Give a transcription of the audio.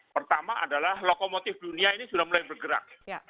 pertama adalah lokomotif dunia ini sudah mulai bergerak